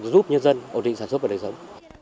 giúp nhân dân ổn định sản xuất và đời sống